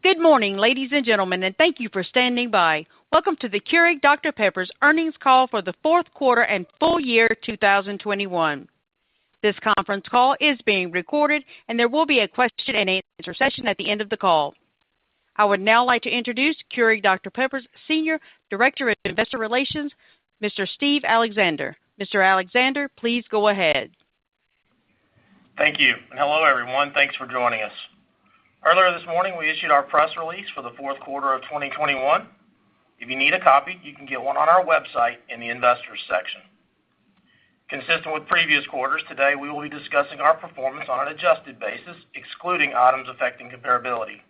Good morning, ladies and gentlemen, and thank you for standing by. Welcome to the Keurig Dr Pepper's Earnings call for the Fourth Quarter and Full Year 2021. This conference call is being recorded, and there will be a question and answer session at the end of the call. I would now like to introduce Keurig Dr Pepper's Senior Director of Investor Relations, Mr. Steve Alexander. Mr. Alexander, please go ahead. Thank you. Hello, everyone. Thanks for joining us. Earlier this morning, we issued our press release for the fourth quarter of 2021. If you need a copy, you can get one on our website in the Investors section. Consistent with previous quarters, today we will be discussing our performance on an adjusted basis, excluding items affecting comparability.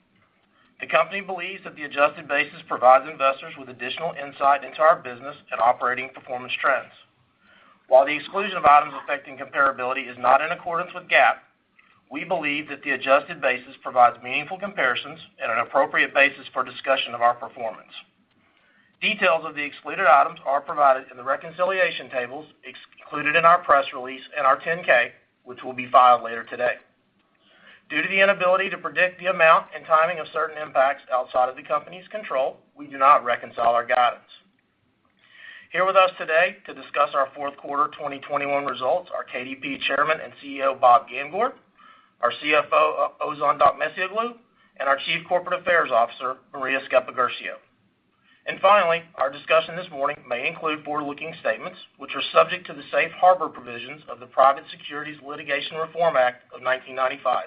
The company believes that the adjusted basis provides investors with additional insight into our business and operating performance trends. While the exclusion of items affecting comparability is not in accordance with GAAP, we believe that the adjusted basis provides meaningful comparisons and an appropriate basis for discussion of our performance. Details of the excluded items are provided in the reconciliation tables included in our press release and our 10-K, which will be filed later today. Due to the inability to predict the amount and timing of certain impacts outside of the company's control, we do not reconcile our guidance. Here with us today to discuss our fourth quarter 2021 results are KDP Chairman and CEO, Bob Gamgort, our CFO, Ozan Dokmecioglu, and our Chief Corporate Affairs Officer, Maria Sceppaguercio. Finally, our discussion this morning may include forward-looking statements which are subject to the safe harbor provisions of the Private Securities Litigation Reform Act of 1995.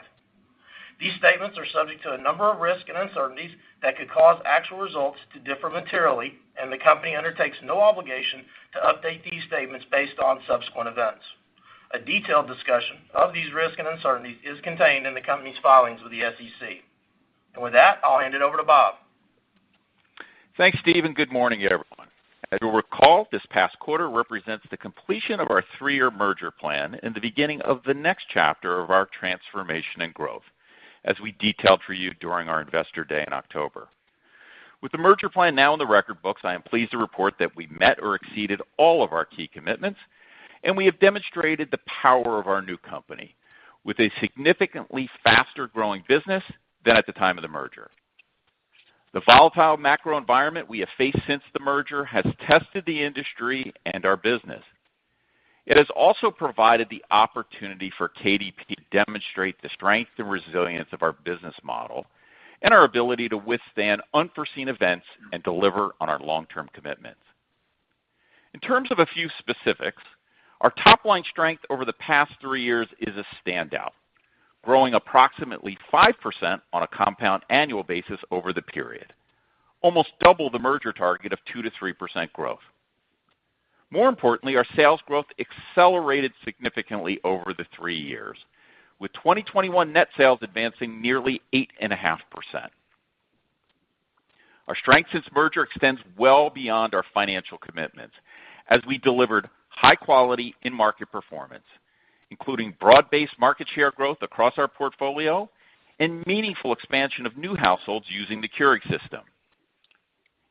These statements are subject to a number of risks and uncertainties that could cause actual results to differ materially, and the company undertakes no obligation to update these statements based on subsequent events. A detailed discussion of these risks and uncertainties is contained in the company's filings with the SEC. With that, I'll hand it over to Bob. Thanks, Steve, and good morning, everyone. As you'll recall, this past quarter represents the completion of our three-year merger plan and the beginning of the next chapter of our transformation and growth, as we detailed for you during our Investor Day in October. With the merger plan now in the record books, I am pleased to report that we met or exceeded all of our key commitments, and we have demonstrated the power of our new company with a significantly faster growing business than at the time of the merger. The volatile macro environment we have faced since the merger has tested the industry and our business. It has also provided the opportunity for KDP to demonstrate the strength and resilience of our business model and our ability to withstand unforeseen events and deliver on our long-term commitments. In terms of a few specifics, our top-line strength over the past three years is a standout, growing approximately 5% on a compound annual basis over the period, almost double the merger target of 2%-3% growth. More importantly, our sales growth accelerated significantly over the three years, with 2021 net sales advancing nearly 8.5%. Our strength since merger extends well beyond our financial commitments as we delivered high quality in-market performance, including broad-based market share growth across our portfolio and meaningful expansion of new households using the Keurig system.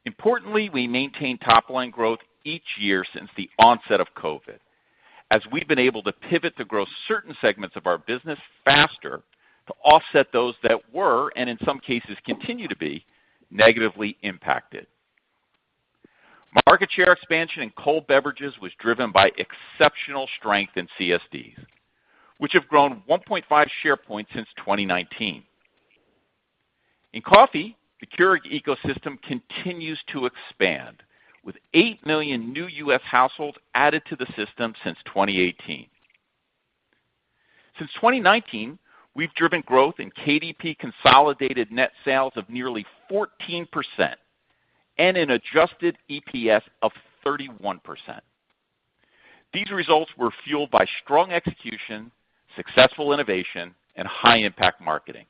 Importantly, we maintained top line growth each year since the onset of COVID, as we've been able to pivot to grow certain segments of our business faster to offset those that were, and in some cases continue to be, negatively impacted. Market share expansion in cold beverages was driven by exceptional strength in CSDs, which have grown 1.5 share points since 2019. In coffee, the Keurig ecosystem continues to expand, with 8 million new U.S. households added to the system since 2018. Since 2019, we've driven growth in KDP consolidated net sales of nearly 14% and an adjusted EPS of 31%. These results were fueled by strong execution, successful innovation, and high impact marketing.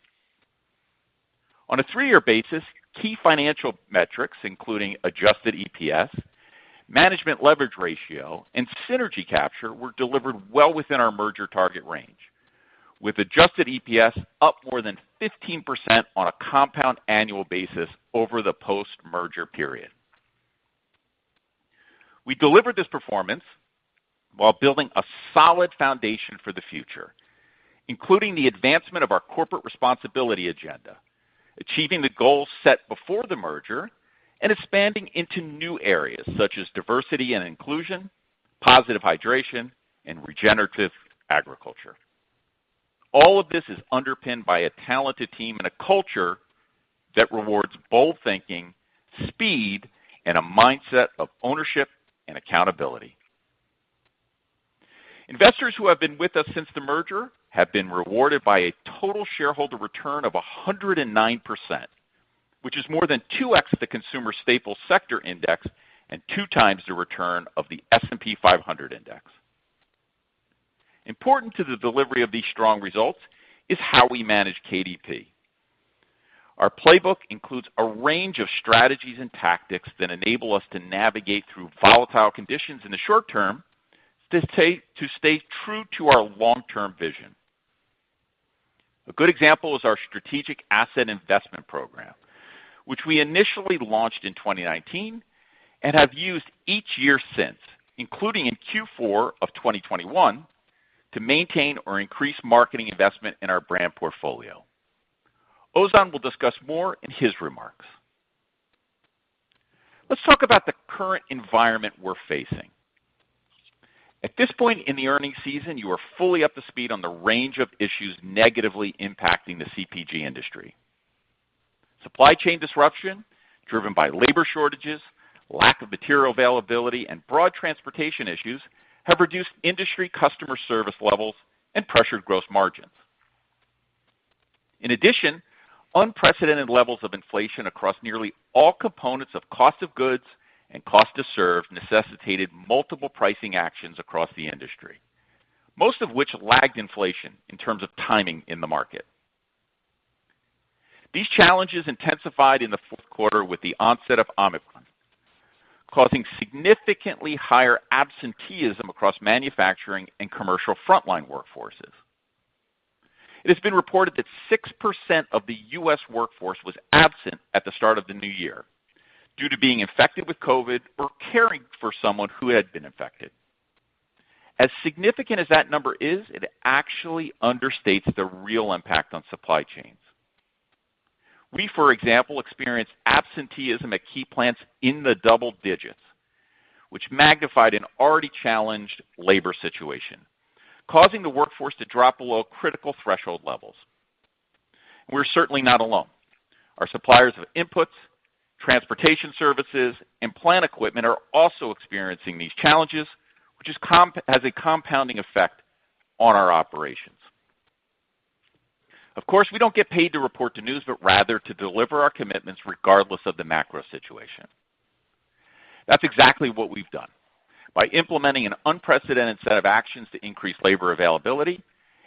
On a 3-year basis, key financial metrics, including adjusted EPS, management leverage ratio, and synergy capture were delivered well within our merger target range, with adjusted EPS up more than 15% on a compound annual basis over the post-merger period. We delivered this performance while building a solid foundation for the future, including the advancement of our corporate responsibility agenda, achieving the goals set before the merger, and expanding into new areas such as diversity and inclusion, positive hydration, and regenerative agriculture. All of this is underpinned by a talented team and a culture that rewards bold thinking, speed, and a mindset of ownership and accountability. Investors who have been with us since the merger have been rewarded by a total shareholder return of 109%, which is more than 2x the consumer staple sector index and 2 times the return of the S&P 500 Index. Important to the delivery of these strong results is how we manage KDP. Our playbook includes a range of strategies and tactics that enable us to navigate through volatile conditions in the short term to stay true to our long-term vision. A good example is our strategic asset investment program, which we initially launched in 2019 and have used each year since, including in Q4 of 2021 to maintain or increase marketing investment in our brand portfolio. Ozan will discuss more in his remarks. Let's talk about the current environment we're facing. At this point in the earnings season, you are fully up to speed on the range of issues negatively impacting the CPG industry. Supply chain disruption driven by labor shortages, lack of material availability, and broad transportation issues have reduced industry customer service levels and pressured gross margins. In addition, unprecedented levels of inflation across nearly all components of cost of goods and cost to serve necessitated multiple pricing actions across the industry, most of which lagged inflation in terms of timing in the market. These challenges intensified in the fourth quarter with the onset of Omicron, causing significantly higher absenteeism across manufacturing and commercial frontline workforces. It has been reported that 6% of the U.S. workforce was absent at the start of the new year due to being infected with COVID or caring for someone who had been infected. As significant as that number is, it actually understates the real impact on supply chains. We, for example, experienced absenteeism at key plants in the double digits, which magnified an already challenged labor situation, causing the workforce to drop below critical threshold levels. We're certainly not alone. Our suppliers of inputs, transportation services, and plant equipment are also experiencing these challenges, which has a compounding effect on our operations. Of course, we don't get paid to report the news, but rather to deliver our commitments regardless of the macro situation. That's exactly what we've done by implementing an unprecedented set of actions to increase labor availability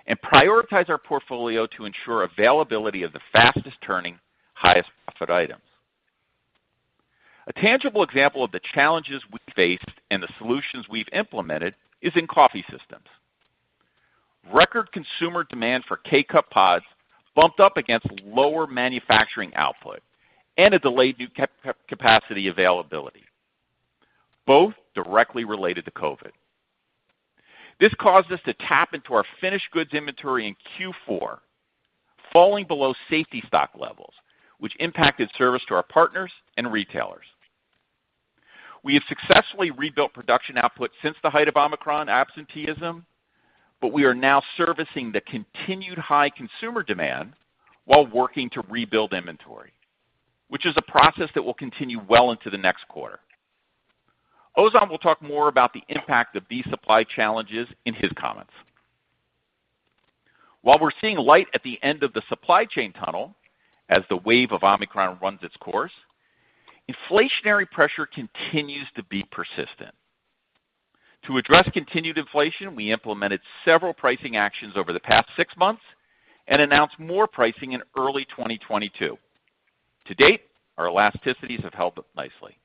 and prioritize our portfolio to ensure availability of the fastest turning, highest profit items. A tangible example of the challenges we faced and the solutions we've implemented is in coffee systems. Record consumer demand for K-Cup pods bumped up against lower manufacturing output and a delayed new capacity availability, both directly related to COVID. This caused us to tap into our finished goods inventory in Q4, falling below safety stock levels, which impacted service to our partners and retailers. We have successfully rebuilt production output since the height of Omicron absenteeism, but we are now servicing the continued high consumer demand while working to rebuild inventory, which is a process that will continue well into the next quarter. Ozan will talk more about the impact of these supply challenges in his comments. While we're seeing light at the end of the supply chain tunnel as the wave of Omicron runs its course, inflationary pressure continues to be persistent. To address continued inflation, we implemented several pricing actions over the past six months and announced more pricing in early 2022. To date, our elasticities have held up nicely.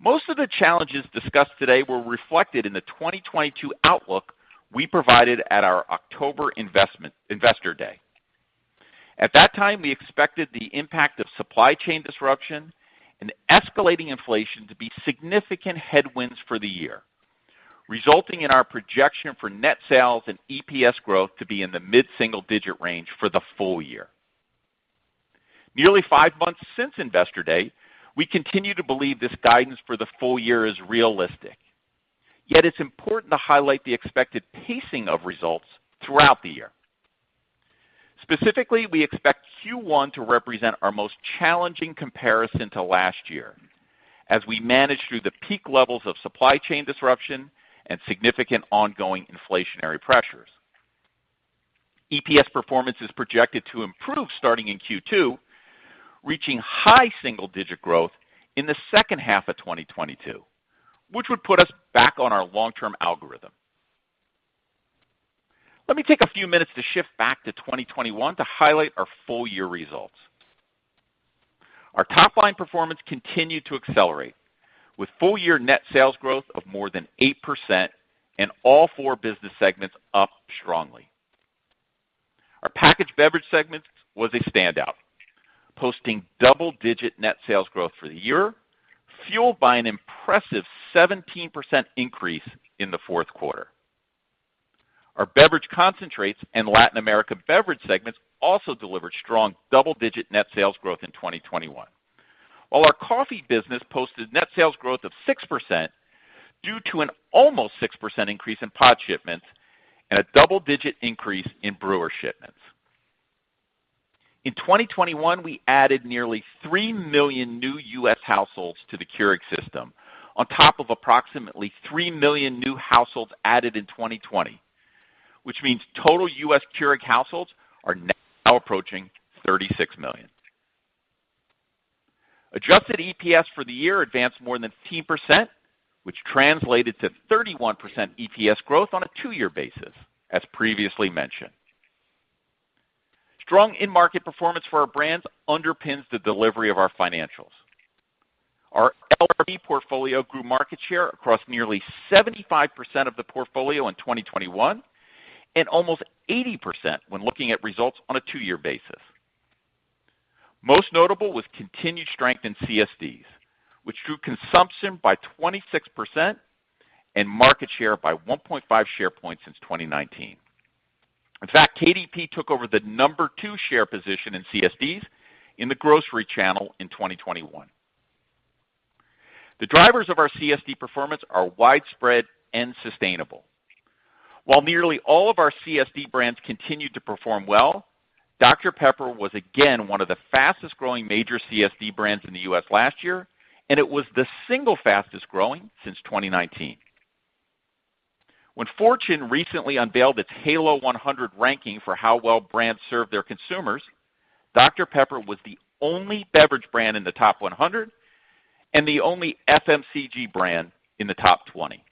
Most of the challenges discussed today were reflected in the 2022 outlook we provided at our October Investor Day. At that time, we expected the impact of supply chain disruption and escalating inflation to be significant headwinds for the year, resulting in our projection for net sales and EPS growth to be in the mid-single digit range for the full year. Nearly five months since Investor Day, we continue to believe this guidance for the full year is realistic. Yet it's important to highlight the expected pacing of results throughout the year. Specifically, we expect Q1 to represent our most challenging comparison to last year as we manage through the peak levels of supply chain disruption and significant ongoing inflationary pressures. EPS performance is projected to improve starting in Q2, reaching high single-digit growth in the second half of 2022, which would put us back on our long-term algorithm. Let me take a few minutes to shift back to 2021 to highlight our full-year results. Our top-line performance continued to accelerate with full-year net sales growth of more than 8% and all four business segments up strongly. Our packaged beverage segment was a standout, posting double-digit net sales growth for the year, fueled by an impressive 17% increase in the fourth quarter. Our beverage concentrates and Latin America beverage segments also delivered strong double-digit net sales growth in 2021. While our coffee business posted net sales growth of 6% due to an almost 6% increase in pod shipments and a double-digit increase in brewer shipments. In 2021, we added nearly 3 million new U.S. households to the Keurig system on top of approximately 3 million new households added in 2020, which means total U.S. Keurig households are now approaching 36 million. Adjusted EPS for the year advanced more than 15%, which translated to 31% EPS growth on a two-year basis as previously mentioned. Strong in-market performance for our brands underpins the delivery of our financials. Our LRP portfolio grew market share across nearly 75% of the portfolio in 2021 and almost 80% when looking at results on a two-year basis. Most notable was continued strength in CSDs, which grew consumption by 26% and market share by 1.5 share points since 2019. In fact, KDP took over the number two share position in CSDs in the grocery channel in 2021. The drivers of our CSD performance are widespread and sustainable. While nearly all of our CSD brands continued to perform well, Dr Pepper was again one of the fastest-growing major CSD brands in the U.S. last year, and it was the single fastest growing since 2019. When Forbes recently unveiled its Halo 100 ranking for how well brands serve their consumers, Dr Pepper was the only beverage brand in the top 100 and the only FMCG brand in the top 20.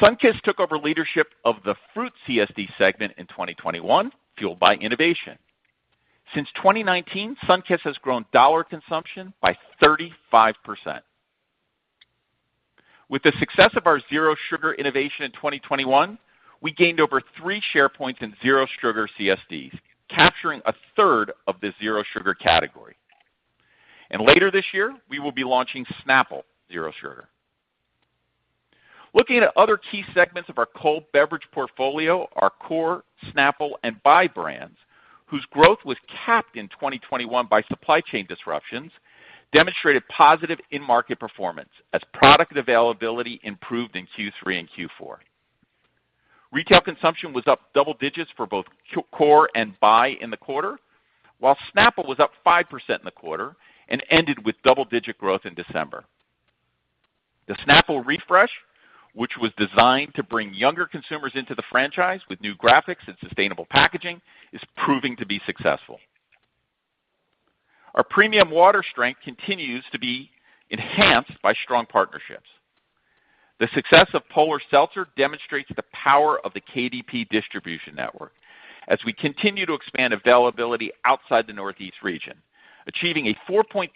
Sunkist took over leadership of the fruit CSD segment in 2021, fueled by innovation. Since 2019, Sunkist has grown dollar consumption by 35%. With the success of our zero sugar innovation in 2021, we gained over three share points in zero sugar CSDs, capturing a third of the zero sugar category. Later this year, we will be launching Snapple Zero Sugar. Looking at other key segments of our cold beverage portfolio, our Core, Snapple and Bai brands, whose growth was capped in 2021 by supply chain disruptions, demonstrated positive in-market performance as product availability improved in Q3 and Q4. Retail consumption was up double digits for both Core and Bai in the quarter, while Snapple was up 5% in the quarter and ended with double-digit growth in December. The Snapple refresh, which was designed to bring younger consumers into the franchise with new graphics and sustainable packaging, is proving to be successful. Our premium water strength continues to be enhanced by strong partnerships. The success of Polar Seltzer demonstrates the power of the KDP distribution network as we continue to expand availability outside the Northeast region, achieving a 4.3%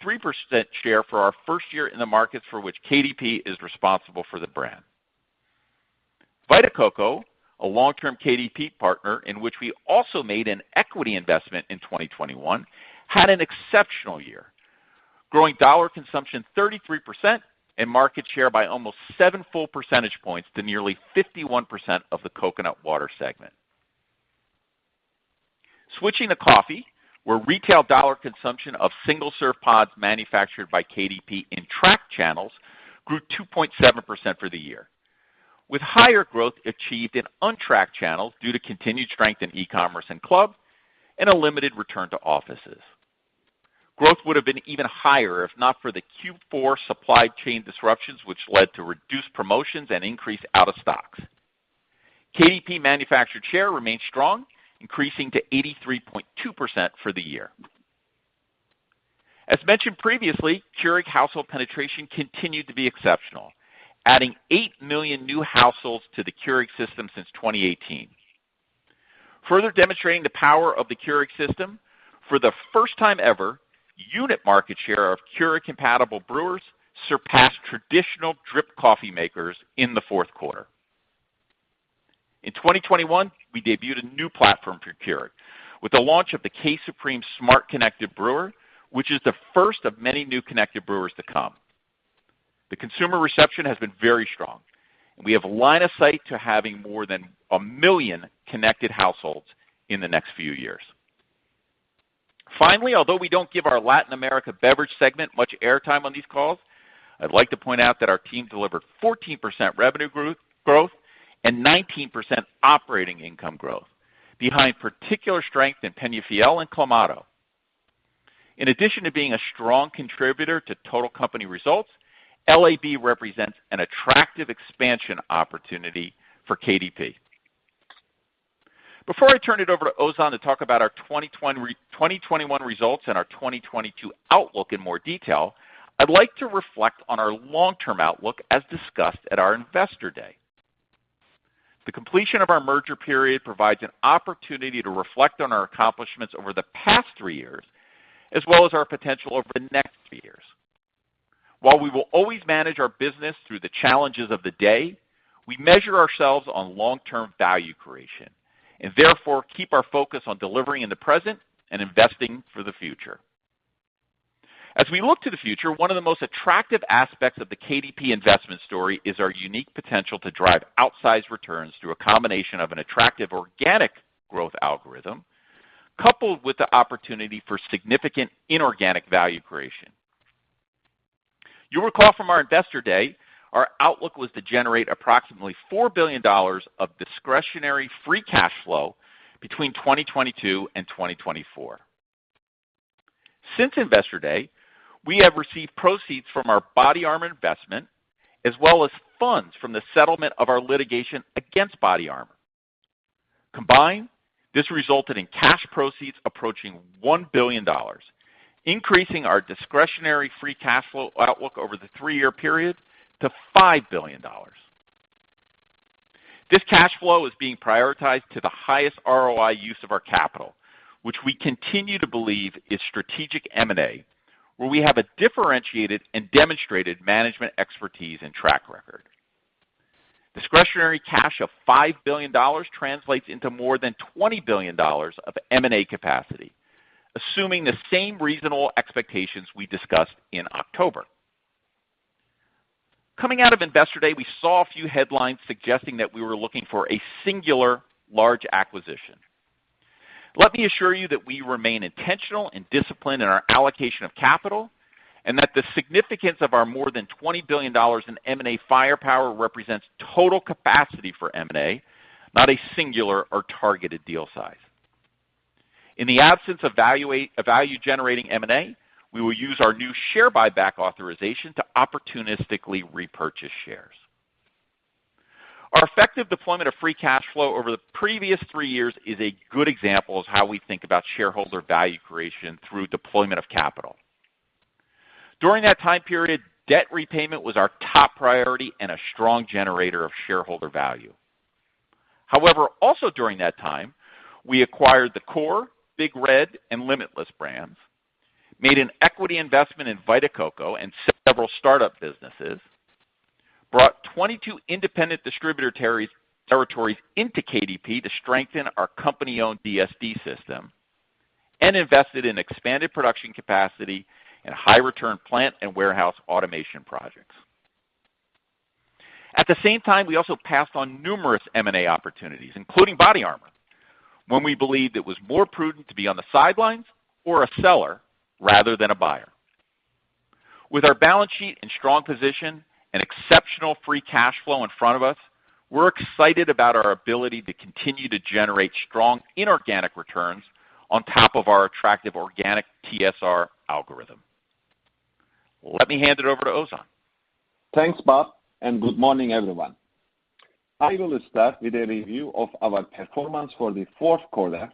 share for our first year in the markets for which KDP is responsible for the brand. Vita Coco, a long-term KDP partner in which we also made an equity investment in 2021, had an exceptional year, growing dollar consumption 33% and market share by almost 7 full percentage points to nearly 51% of the coconut water segment. Switching to coffee, where retail dollar consumption of single-serve pods manufactured by KDP in tracked channels grew 2.7% for the year, with higher growth achieved in untracked channels due to continued strength in e-commerce and club and a limited return to offices. Growth would have been even higher if not for the Q4 supply chain disruptions, which led to reduced promotions and increased out of stocks. KDP manufactured share remained strong, increasing to 83.2% for the year. As mentioned previously, Keurig household penetration continued to be exceptional, adding 8 million new households to the Keurig system since 2018. Further demonstrating the power of the Keurig system, for the first time ever, unit market share of Keurig compatible brewers surpassed traditional drip coffee makers in the fourth quarter. In 2021, we debuted a new platform for Keurig with the launch of the K-Supreme SMART Connected Brewer, which is the first of many new connected brewers to come. The consumer reception has been very strong, and we have line of sight to having more than 1 million connected households in the next few years. Finally, although we don't give our Latin America beverage segment much air time on these calls, I'd like to point out that our team delivered 14% revenue growth and 19% operating income growth behind particular strength in Peñafiel and Clamato. In addition to being a strong contributor to total company results, LAB represents an attractive expansion opportunity for KDP. Before I turn it over to Ozan to talk about our 2021 results and our 2022 outlook in more detail, I'd like to reflect on our long-term outlook as discussed at our Investor Day. The completion of our merger period provides an opportunity to reflect on our accomplishments over the past three years as well as our potential over the next three years. While we will always manage our business through the challenges of the day, we measure ourselves on long-term value creation and therefore keep our focus on delivering in the present and investing for the future. As we look to the future, one of the most attractive aspects of the KDP investment story is our unique potential to drive outsized returns through a combination of an attractive organic growth algorithm coupled with the opportunity for significant inorganic value creation. You'll recall from our Investor Day, our outlook was to generate approximately $4 billion of discretionary free cash flow between 2022 and 2024. Since Investor Day, we have received proceeds from our BODYARMOR investment as well as funds from the settlement of our litigation against BODYARMOR. Combined, this resulted in cash proceeds approaching $1 billion, increasing our discretionary free cash flow outlook over the three-year period to $5 billion. This cash flow is being prioritized to the highest ROI use of our capital, which we continue to believe is strategic M&A, where we have a differentiated and demonstrated management expertise and track record. Discretionary cash of $5 billion translates into more than $20 billion of M&A capacity, assuming the same reasonable expectations we discussed in October. Coming out of Investor Day, we saw a few headlines suggesting that we were looking for a singular large acquisition. Let me assure you that we remain intentional and disciplined in our allocation of capital, and that the significance of our more than $20 billion in M&A firepower represents total capacity for M&A, not a singular or targeted deal size. In the absence of value-generating M&A, we will use our new share buyback authorization to opportunistically repurchase shares. Our effective deployment of free cash flow over the previous 3 years is a good example of how we think about shareholder value creation through deployment of capital. During that time period, debt repayment was our top priority and a strong generator of shareholder value. However, also during that time, we acquired the Core, Big Red, and Limitless brands, made an equity investment in Vita Coco and several startup businesses, brought 22 independent distributor territories into KDP to strengthen our company-owned DSD system, and invested in expanded production capacity and high-return plant and warehouse automation projects. At the same time, we also passed on numerous M&A opportunities, including BODYARMOR, when we believed it was more prudent to be on the sidelines or a seller rather than a buyer. With our balance sheet and strong position and exceptional free cash flow in front of us, we're excited about our ability to continue to generate strong inorganic returns on top of our attractive organic TSR algorithm. Let me hand it over to Ozan. Thanks, Bob, and good morning, everyone. I will start with a review of our performance for the fourth quarter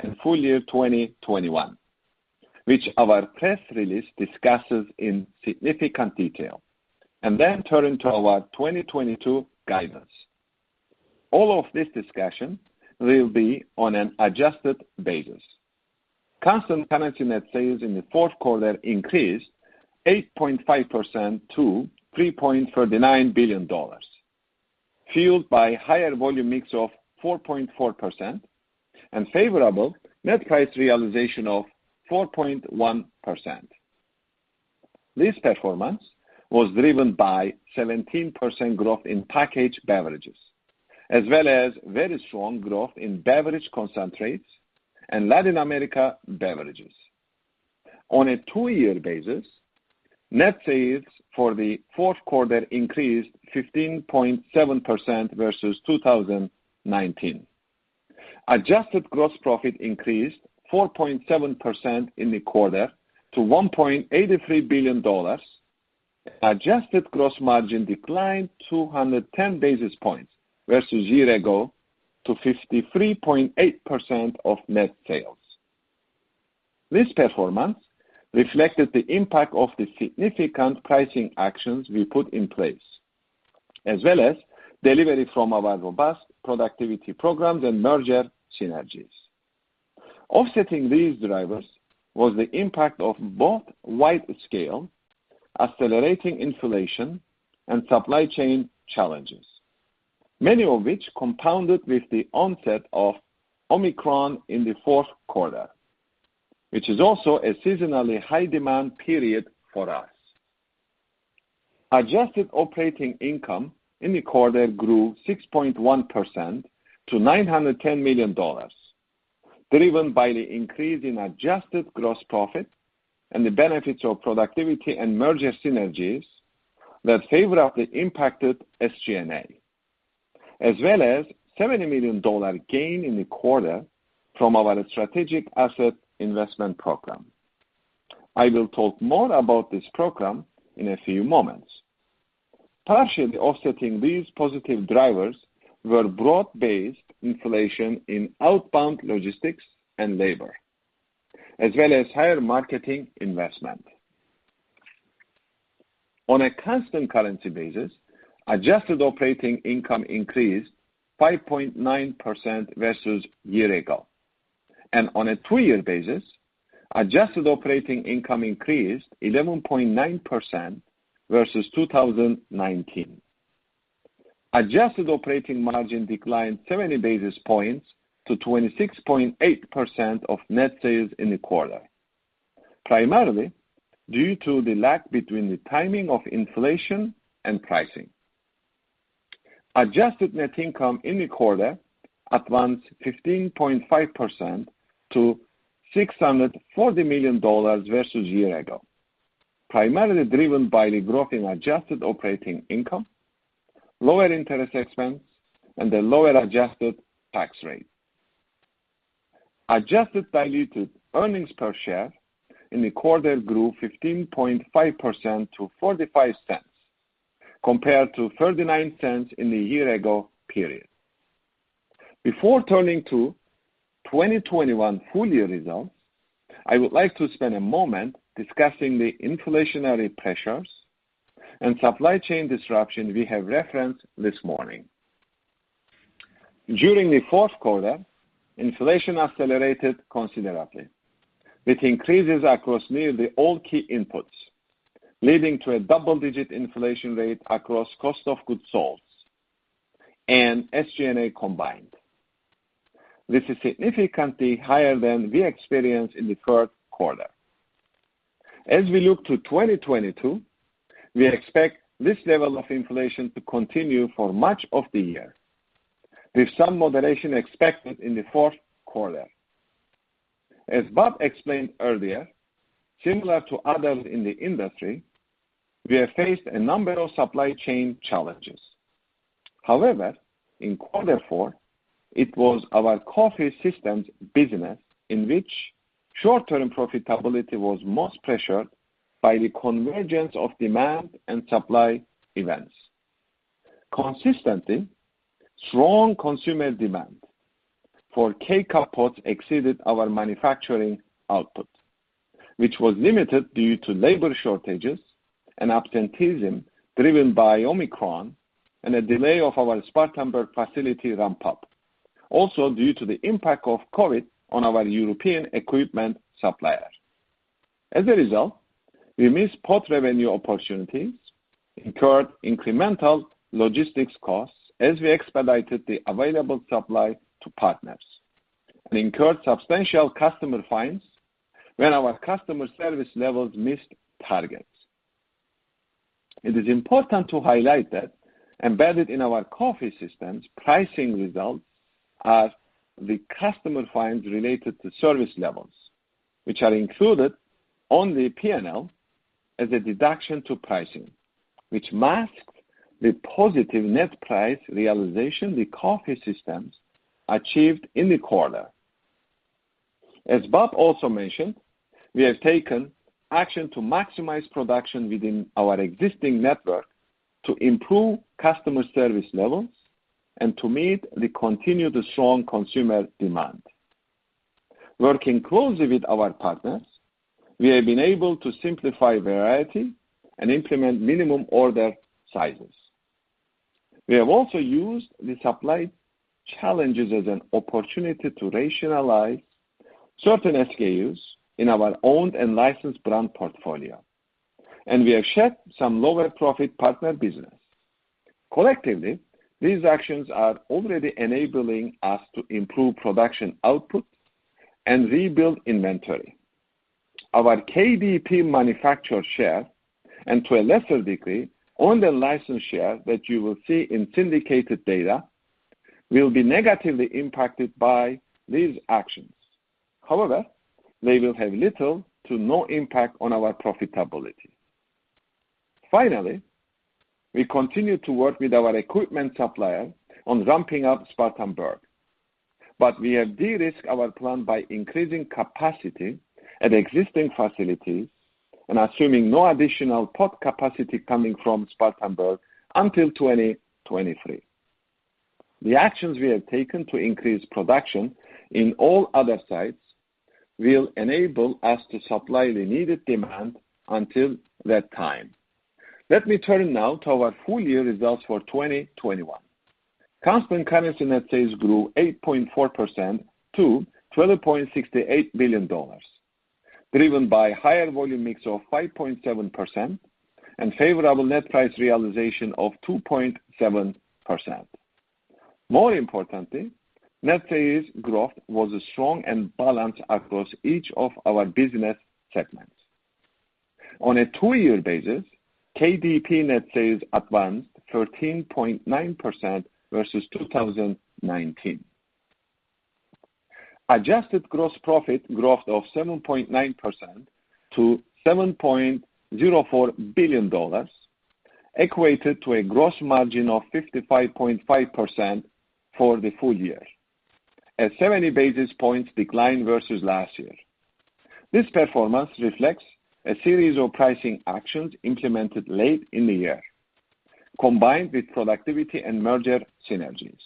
and full year 2021, which our press release discusses in significant detail, and then turn to our 2022 guidance. All of this discussion will be on an adjusted basis. Constant currency net sales in the fourth quarter increased 8.5% to $3.39 billion, fueled by higher volume mix of 4.4% and favorable net price realization of 4.1%. This performance was driven by 17% growth in packaged beverages, as well as very strong growth in beverage concentrates and Latin America beverages. On a two-year basis, net sales for the fourth quarter increased 15.7% versus 2019. Adjusted gross profit increased 4.7% in the quarter to $1.83 billion. Adjusted gross margin declined 210 basis points versus year ago to 53.8% of net sales. This performance reflected the impact of the significant pricing actions we put in place, as well as delivery from our robust productivity programs and merger synergies. Offsetting these drivers was the impact of both widescale accelerating inflation and supply chain challenges, many of which compounded with the onset of Omicron in the fourth quarter, which is also a seasonally high-demand period for us. Adjusted operating income in the quarter grew 6.1% to $910 million, driven by the increase in adjusted gross profit and the benefits of productivity and merger synergies that favorably impacted SG&A, as well as $70 million gain in the quarter from our strategic asset investment program. I will talk more about this program in a few moments. Partially offsetting these positive drivers were broad-based inflation in outbound logistics and labor, as well as higher marketing investment. On a constant currency basis, adjusted operating income increased 5.9% versus year ago. On a two-year basis, adjusted operating income increased 11.9% versus 2019. Adjusted operating margin declined 70 basis points to 26.8% of net sales in the quarter, primarily due to the lag between the timing of inflation and pricing. Adjusted net income in the quarter advanced 15.5% to $640 million versus year ago, primarily driven by the growth in adjusted operating income, lower interest expense, and a lower adjusted tax rate. Adjusted diluted earnings per share in the quarter grew 15.5% to $0.45 compared to $0.39 in the year ago period. Before turning to 2021 full year results, I would like to spend a moment discussing the inflationary pressures and supply chain disruption we have referenced this morning. During the fourth quarter, inflation accelerated considerably, with increases across nearly all key inputs, leading to a double-digit inflation rate across cost of goods sold and SG&A combined. This is significantly higher than we experienced in the third quarter. As we look to 2022, we expect this level of inflation to continue for much of the year, with some moderation expected in the fourth quarter. As Bob explained earlier, similar to others in the industry, we have faced a number of supply chain challenges. However, in quarter four, it was our coffee systems business in which short-term profitability was most pressured by the convergence of demand and supply events. Consistently, strong consumer demand for K-Cup pods exceeded our manufacturing output, which was limited due to labor shortages and absenteeism driven by Omicron and a delay of our Spartanburg facility ramp up, also due to the impact of COVID on our European equipment supplier. As a result, we missed pod revenue opportunities, incurred incremental logistics costs as we expedited the available supply to partners, and incurred substantial customer fines when our customer service levels missed targets. It is important to highlight that embedded in our coffee systems pricing results are the customer fines related to service levels, which are included on the P&L as a deduction to pricing, which masks the positive net price realization the coffee systems achieved in the quarter. As Bob also mentioned, we have taken action to maximize production within our existing network to improve customer service levels and to meet the continued strong consumer demand. Working closely with our partners, we have been able to simplify variety and implement minimum order sizes. We have also used the supply challenges as an opportunity to rationalize certain SKUs in our owned and licensed brand portfolio, and we have shed some lower profit partner business. Collectively, these actions are already enabling us to improve production output and rebuild inventory. Our KDP manufacturer share, and to a lesser degree, owned and licensed share that you will see in syndicated data, will be negatively impacted by these actions. However, they will have little to no impact on our profitability. Finally, we continue to work with our equipment supplier on ramping up Spartanburg, but we have de-risked our plan by increasing capacity at existing facilities and assuming no additional pod capacity coming from Spartanburg until 2023. The actions we have taken to increase production in all other sites will enable us to supply the needed demand until that time. Let me turn now to our full year results for 2021. Constant currency net sales grew 8.4% to $12.68 billion, driven by higher volume mix of 5.7% and favorable net price realization of 2.7%. More importantly, net sales growth was strong and balanced across each of our business segments. On a two-year basis, KDP net sales advanced 13.9% versus 2019. Adjusted gross profit growth of 7.9% to $7.04 billion equated to a gross margin of 55.5% for the full year, a 70 basis points decline versus last year. This performance reflects a series of pricing actions implemented late in the year, combined with productivity and merger synergies.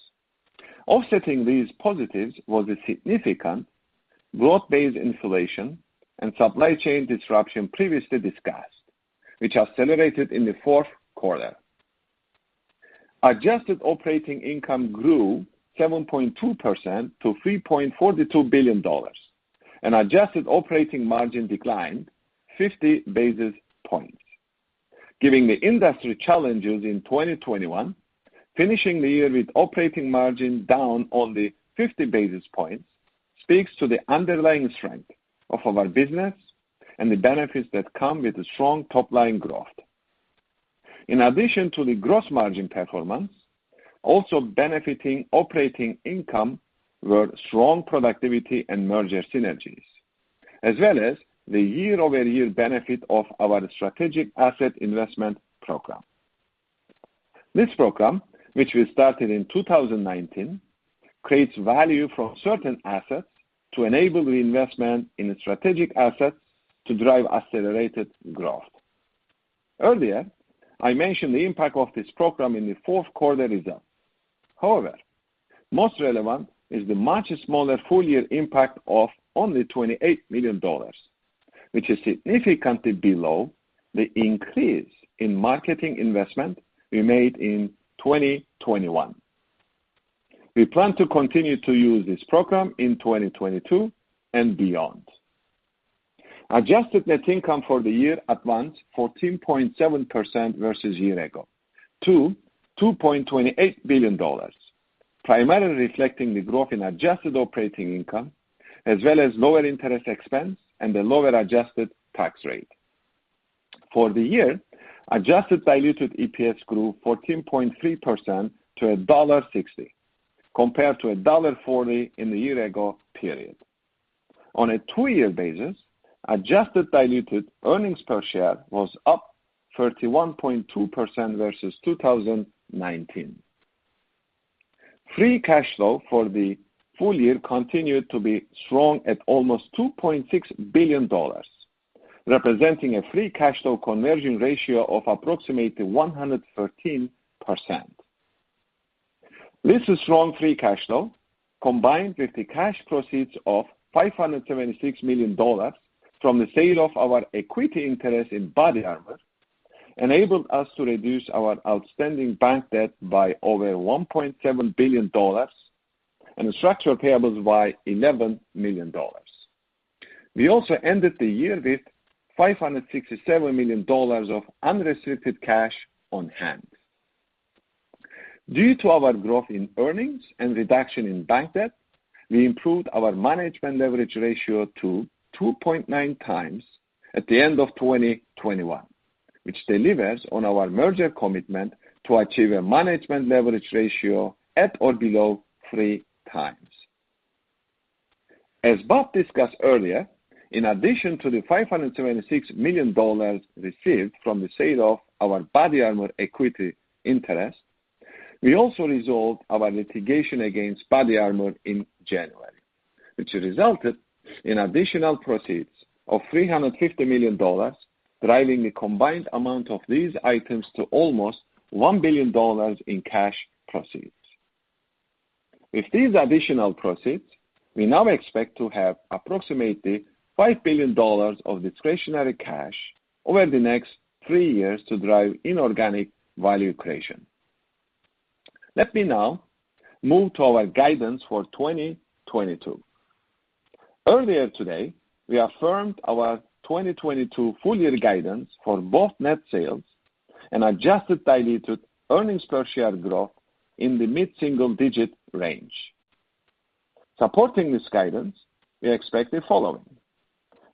Offsetting these positives was a significant growth-based inflation and supply chain disruption previously discussed, which accelerated in the fourth quarter. Adjusted operating income grew 7.2% to $3.42 billion, and adjusted operating margin declined 50 basis points. Given the industry challenges in 2021, finishing the year with operating margin down only 50 basis points speaks to the underlying strength of our business and the benefits that come with strong top-line growth. In addition to the gross margin performance, also benefiting operating income were strong productivity and merger synergies, as well as the year-over-year benefit of our strategic asset investment program. This program, which we started in 2019, creates value from certain assets to enable the investment in strategic assets to drive accelerated growth. Earlier, I mentioned the impact of this program in the fourth quarter results. However, most relevant is the much smaller full-year impact of only $28 million, which is significantly below the increase in marketing investment we made in 2021. We plan to continue to use this program in 2022 and beyond. Adjusted net income for the year advanced 14.7% versus year-ago to $2.28 billion, primarily reflecting the growth in adjusted operating income as well as lower interest expense and a lower adjusted tax rate. For the year, adjusted diluted EPS grew 14.3% to $1.60, compared to $1.40 in the year ago period. On a two-year basis, adjusted diluted earnings per share was up 31.2% versus 2019. Free cash flow for the full year continued to be strong at almost $2.6 billion, representing a free cash flow conversion ratio of approximately 113%. This strong free cash flow, combined with the cash proceeds of $576 million from the sale of our equity interest in BODYARMOR, enabled us to reduce our outstanding bank debt by over $1.7 billion and structural payables by $11 million. We also ended the year with $567 million of unrestricted cash on hand. Due to our growth in earnings and reduction in bank debt, we improved our management leverage ratio to 2.9 times at the end of 2021, which delivers on our merger commitment to achieve a management leverage ratio at or below three times. As Bob discussed earlier, in addition to the $576 million received from the sale of our BODYARMOR equity interest, we also resolved our litigation against BODYARMOR in January, which resulted in additional proceeds of $350 million, driving the combined amount of these items to almost $1 billion in cash proceeds. With these additional proceeds, we now expect to have approximately $5 billion of discretionary cash over the next three years to drive inorganic value creation. Let me now move to our guidance for 2022. Earlier today, we affirmed our 2022 full year guidance for both net sales and adjusted diluted earnings per share growth in the mid-single-digit range. Supporting this guidance, we expect the following.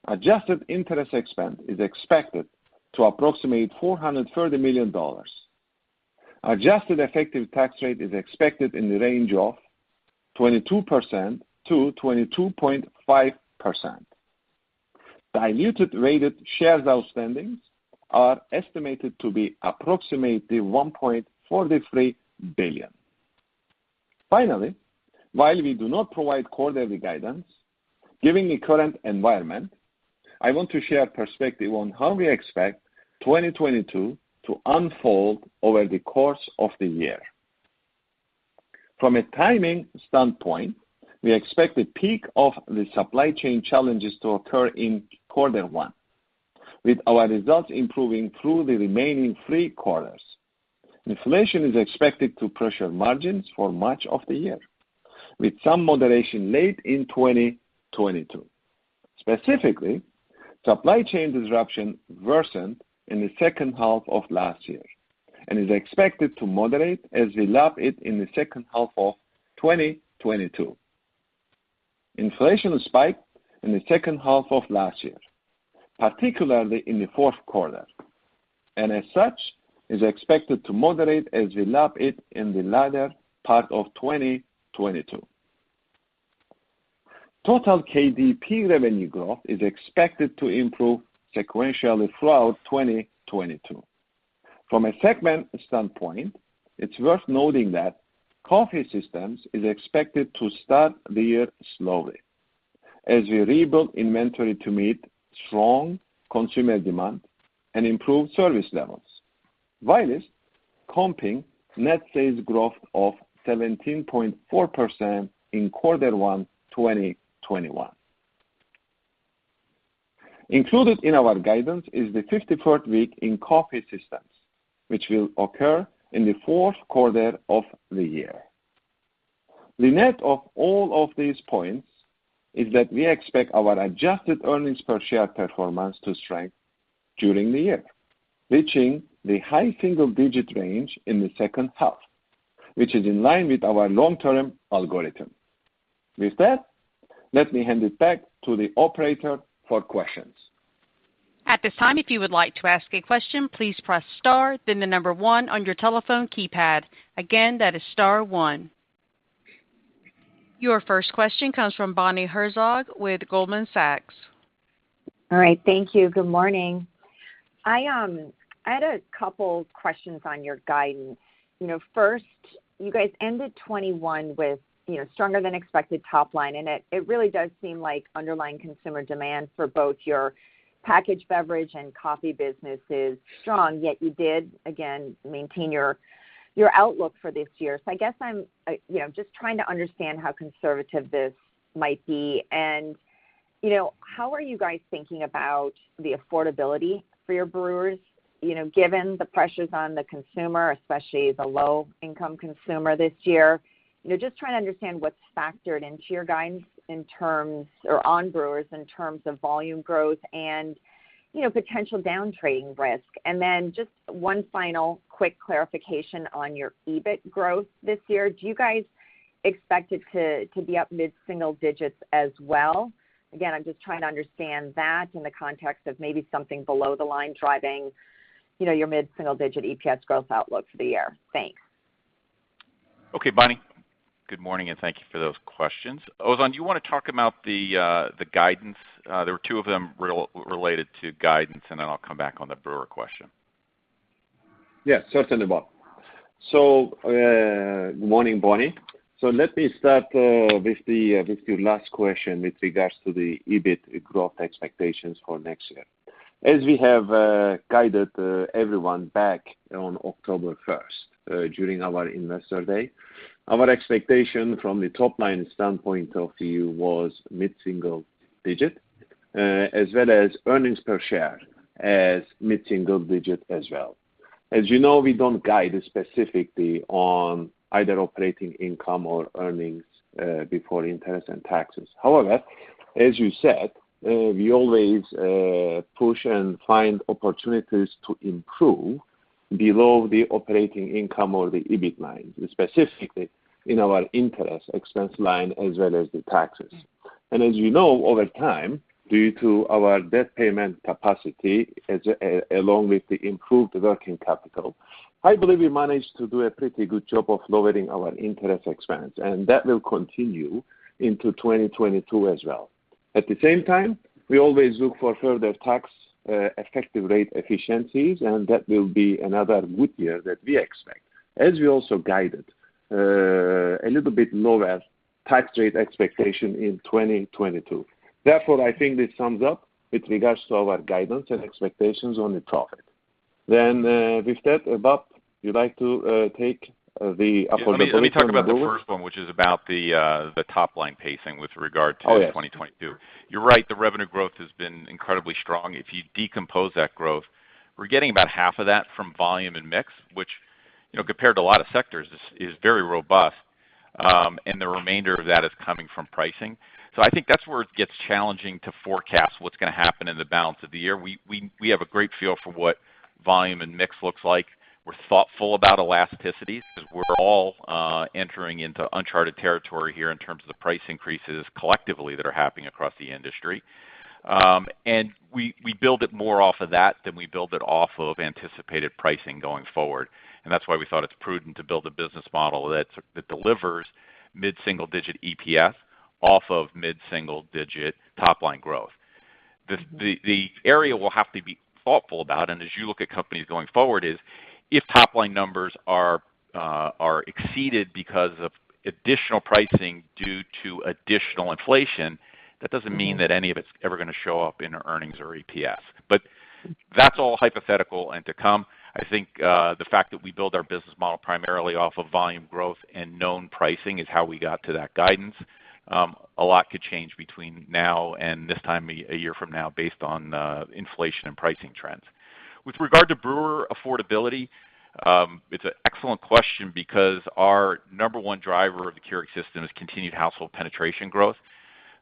Adjusted interest expense is expected to approximate $430 million. Adjusted effective tax rate is expected in the range of 22%-22.5%. Diluted weighted shares outstanding are estimated to be approximately 1.43 billion. Finally, while we do not provide quarterly guidance, given the current environment, I want to share perspective on how we expect 2022 to unfold over the course of the year. From a timing standpoint, we expect the peak of the supply chain challenges to occur in quarter one, with our results improving through the remaining three quarters. Inflation is expected to pressure margins for much of the year, with some moderation late in 2022. Specifically, supply chain disruption worsened in the second half of last year and is expected to moderate as we lap it in the second half of 2022. Inflation spiked in the second half of last year, particularly in the fourth quarter, and as such, is expected to moderate as we lap it in the latter part of 2022. Total KDP revenue growth is expected to improve sequentially throughout 2022. From a segment standpoint, it's worth noting that Coffee Systems is expected to start the year slowly as we rebuild inventory to meet strong consumer demand and improve service levels, while comping net sales growth of 17.4% in Quarter 1 2021. Included in our guidance is the 53rd week in Coffee Systems, which will occur in the fourth quarter of the year. The net of all of these points is that we expect our adjusted earnings per share performance to strengthen during the year, reaching the high single-digit range in the second half, which is in line with our long-term algorithm. With that, let me hand it back to the operator for questions. At this time, if you would like to ask a question, please press star then the number one on your telephone keypad. Again, that is star one. Your first question comes from Bonnie Herzog with Goldman Sachs. All right. Thank you. Good morning. I had a couple questions on your guidance. You know, first, you guys ended 2021 with, you know, stronger than expected top line, and it really does seem like underlying consumer demand for both your packaged beverage and coffee business is strong, yet you did again maintain your outlook for this year. I guess I'm, you know, just trying to understand how conservative this might be. You know, how are you guys thinking about the affordability for your brewers, you know, given the pressures on the consumer, especially the low income consumer this year? You know, just trying to understand what's factored into your guidance in terms or on brewers in terms of volume growth and, you know, potential down-trading risk. Then just one final quick clarification on your EBIT growth this year. Do you guys expect it to be up mid-single digits as well? Again, I'm just trying to understand that in the context of maybe something below the line driving, you know, your mid-single digit EPS growth outlook for the year. Thanks. Okay, Bonnie. Good morning, and thank you for those questions. Ozan, do you wanna talk about the guidance? There were two of them related to guidance, and then I'll come back on the brewer question. Yes, certainly, Bob. So, good morning, Bonnie. Let me start with your last question with regards to the EBIT growth expectations for next year. As we have guided everyone back on October first during our Investor Day, our expectation from the top-line standpoint of view was mid-single digit as well as earnings per share as mid-single digit as well. As you know, we don't guide specifically on either operating income or earnings before interest and taxes. However, as you said, we always push and find opportunities to improve below the operating income or the EBIT line, specifically in our interest expense line as well as the taxes. As you know, over time, due to our debt payment capacity, along with the improved working capital, I believe we managed to do a pretty good job of lowering our interest expense, and that will continue into 2022 as well. At the same time, we always look for further tax effective rate efficiencies, and that will be another good year that we expect as we also guided a little bit lower tax rate expectation in 2022. Therefore, I think this sums up with regards to our guidance and expectations on the topic. With that, Bob, you'd like to take the affordability and growth. Yeah. Let me talk about the first one, which is about the top-line pacing with regard to. Oh, yes. 2022. You're right, the revenue growth has been incredibly strong. If you decompose that growth, we're getting about half of that from volume and mix, which, you know, compared to a lot of sectors is very robust, and the remainder of that is coming from pricing. I think that's where it gets challenging to forecast what's gonna happen in the balance of the year. We have a great feel for what volume and mix looks like. We're thoughtful about elasticity 'cause we're all entering into uncharted territory here in terms of the price increases collectively that are happening across the industry. We build it more off of that than we build it off of anticipated pricing going forward. That's why we thought it's prudent to build a business model that delivers mid-single digit EPS off of mid-single digit top-line growth. The area we'll have to be thoughtful about, and as you look at companies going forward, is if top-line numbers are exceeded because of additional pricing due to additional inflation, that doesn't mean that any of it's ever gonna show up in our earnings or EPS. But that's all hypothetical and to come. I think the fact that we build our business model primarily off of volume growth and known pricing is how we got to that guidance. A lot could change between now and this time a year from now based on inflation and pricing trends. With regard to brewer affordability, it's an excellent question because our number one driver of the Keurig system is continued household penetration growth.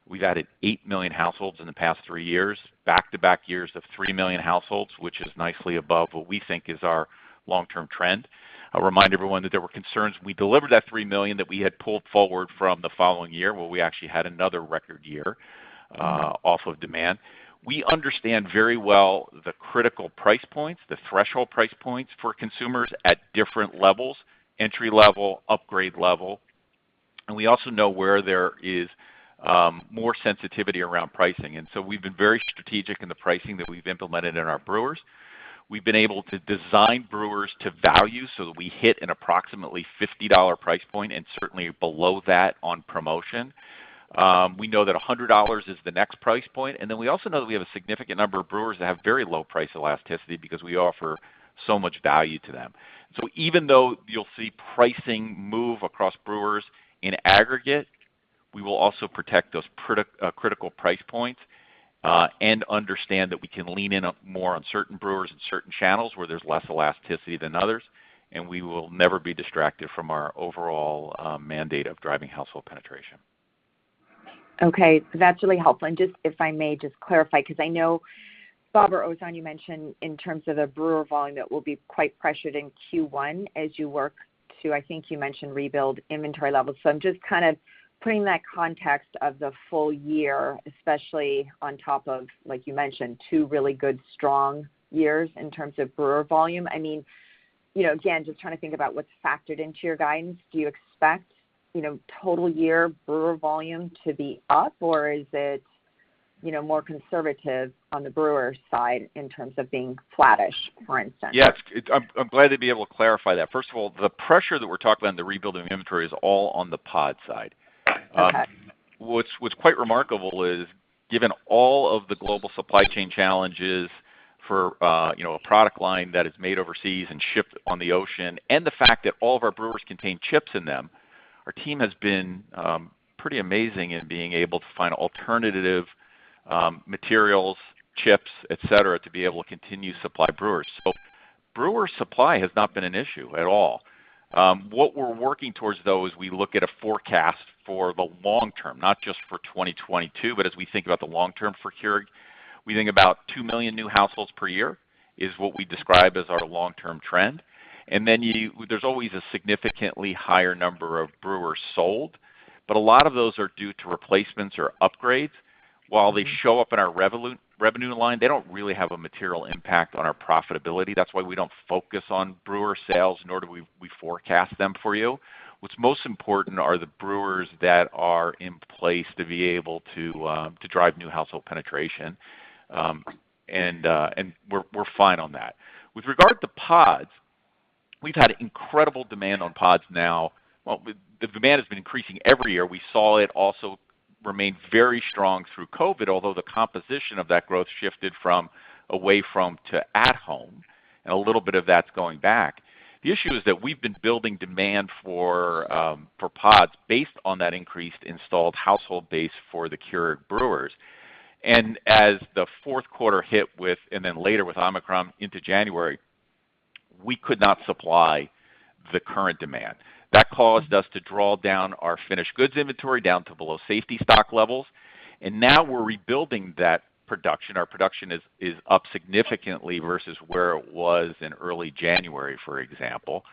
We've added 8 million households in the past 3 years, back-to-back years of 3 million households, which is nicely above what we think is our long-term trend. I'll remind everyone that there were concerns we delivered that 3 million that we had pulled forward from the following year, where we actually had another record year, off of demand. We understand very well the critical price points, the threshold price points for consumers at different levels, entry level, upgrade level, and we also know where there is, more sensitivity around pricing. We've been very strategic in the pricing that we've implemented in our brewers. We've been able to design brewers to value so that we hit an approximately $50 price point and certainly below that on promotion. We know that $100 is the next price point, and then we also know that we have a significant number of brewers that have very low price elasticity because we offer so much value to them. Even though you'll see pricing move across brewers in aggregate, we will also protect those critical price points, and understand that we can lean in more on certain brewers in certain channels where there's less elasticity than others, and we will never be distracted from our overall mandate of driving household penetration. Okay. That's really helpful. Just if I may just clarify, 'cause I know, Bob or Ozan, you mentioned in terms of the brewer volume that we'll be quite pressured in Q1 as you work to, I think you mentioned, rebuild inventory levels. I'm just kind of putting that context of the full year, especially on top of, like you mentioned, two really good strong years in terms of brewer volume. I mean, you know, again, just trying to think about what's factored into your guidance. Do you expect, you know, total year brewer volume to be up, or is it, you know, more conservative on the brewer side in terms of being flattish, for instance? Yes. I'm glad to be able to clarify that. First of all, the pressure that we're talking about in the rebuilding of inventory is all on the pod side. Okay. What's quite remarkable is given all of the global supply chain challenges for, you know, a product line that is made overseas and shipped on the ocean and the fact that all of our brewers contain chips in them, our team has been pretty amazing in being able to find alternative materials, chips, et cetera, to be able to continue to supply brewers. Brewer supply has not been an issue at all. What we're working towards though is we look at a forecast for the long term, not just for 2022, but as we think about the long term for Keurig, we think about 2 million new households per year is what we describe as our long-term trend. There's always a significantly higher number of brewers sold, but a lot of those are due to replacements or upgrades. While they show up in our revenue line, they don't really have a material impact on our profitability. That's why we don't focus on brewer sales, nor do we forecast them for you. What's most important are the brewers that are in place to be able to drive new household penetration. We're fine on that. With regard to pods, we've had incredible demand on pods now. Well, the demand has been increasing every year. We saw it also remain very strong through COVID, although the composition of that growth shifted from away to at home, and a little bit of that's going back. The issue is that we've been building demand for pods based on that increased installed household base for the Keurig brewers. As the fourth quarter hit with and then later with Omicron into January, we could not supply the current demand. That caused us to draw down our finished goods inventory to below safety stock levels, and now we're rebuilding that production. Our production is up significantly versus where it was in early January, for example.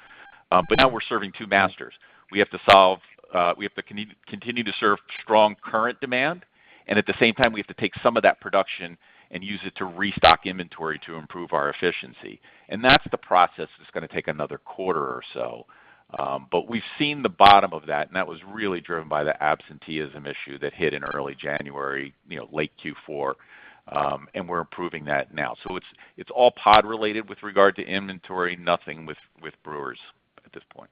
But now we're serving two masters. We have to continue to serve strong current demand, and at the same time, we have to take some of that production and use it to restock inventory to improve our efficiency. That's the process that's gonna take another quarter or so. But we've seen the bottom of that, and that was really driven by the absenteeism issue that hit in early January, you know, late Q4, and we're improving that now. It's all pod related with regard to inventory, nothing with brewers at this point.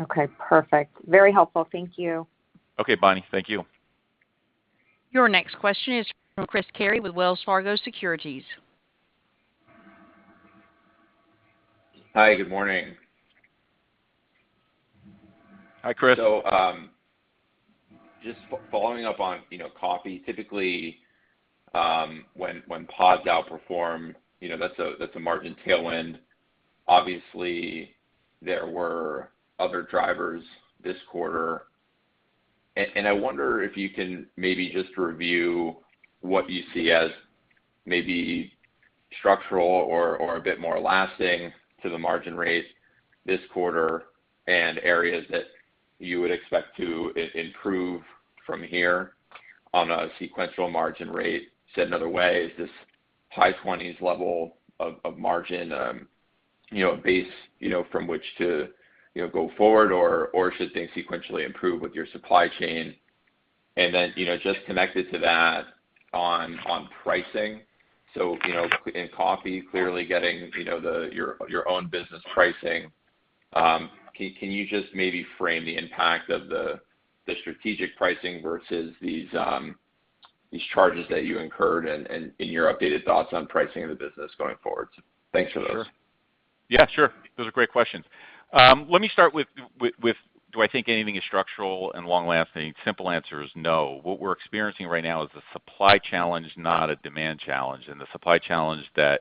Okay, perfect. Very helpful. Thank you. Okay, Bonnie. Thank you. Your next question is from Chris Carey with Wells Fargo Securities. Hi, good morning. Hi, Chris. Just following up on, you know, coffee. Typically, when pods outperform, you know, that's a margin tailwind. Obviously, there were other drivers this quarter. And I wonder if you can maybe just review what you see as maybe structural or a bit more lasting to the margin rates this quarter and areas that you would expect to improve from here on a sequential margin rate. Said another way, is this high 20s% level of margin a base, you know, from which to go forward, or should things sequentially improve with your supply chain? You know, just connected to that on pricing. You know, in coffee, clearly getting, you know, your own business pricing, can you just maybe frame the impact of the strategic pricing versus these charges that you incurred and in your updated thoughts on pricing in the business going forward? Thanks for those. Sure. Yeah, sure. Those are great questions. Let me start with do I think anything is structural and long-lasting? Simple answer is no. What we're experiencing right now is a supply challenge, not a demand challenge. The supply challenge that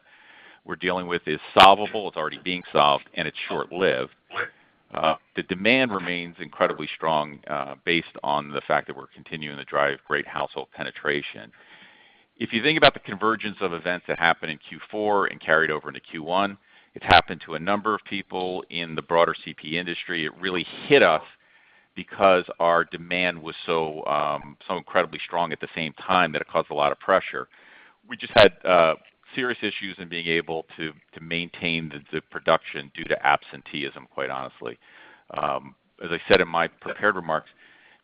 we're dealing with is solvable, it's already being solved, and it's short-lived. The demand remains incredibly strong based on the fact that we're continuing to drive great household penetration. If you think about the convergence of events that happened in Q4 and carried over into Q1, it happened to a number of people in the broader CPG industry. It really hit us because our demand was so incredibly strong at the same time that it caused a lot of pressure. We just had serious issues in being able to maintain the production due to absenteeism, quite honestly. As I said in my prepared remarks,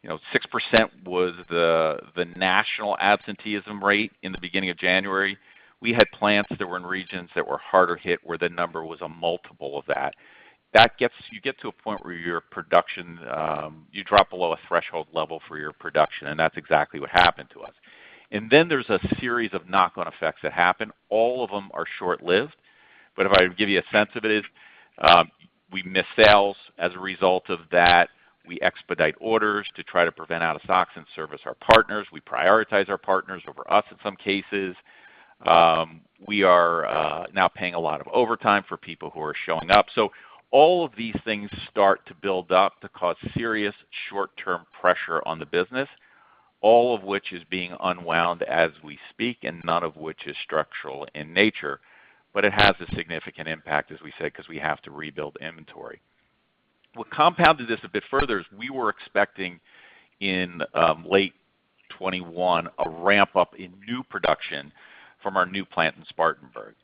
you know, 6% was the national absenteeism rate in the beginning of January. We had plants that were in regions that were harder hit, where the number was a multiple of that. You get to a point where your production, you drop below a threshold level for your production, and that's exactly what happened to us. There's a series of knock-on effects that happen. All of them are short-lived, but if I were to give you a sense of it is, we miss sales as a result of that. We expedite orders to try to prevent out of stocks and service our partners. We prioritize our partners over us in some cases. We are now paying a lot of overtime for people who are showing up. All of these things start to build up to cause serious short-term pressure on the business, all of which is being unwound as we speak, and none of which is structural in nature. It has a significant impact, as we said, because we have to rebuild inventory. What compounded this a bit further is we were expecting in late 2021 a ramp-up in new production from our new plant in Spartanburg.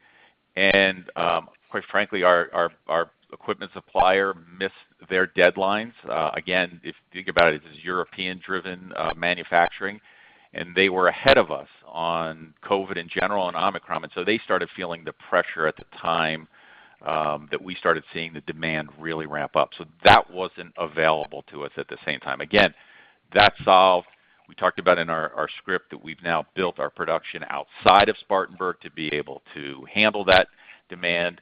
Quite frankly, our equipment supplier missed their deadlines. Again, if you think about it, this is European-driven manufacturing, and they were ahead of us on COVID in general and Omicron. They started feeling the pressure at the time that we started seeing the demand really ramp up. That wasn't available to us at the same time. Again, that's solved. We talked about in our script that we've now built our production outside of Spartanburg to be able to handle that demand.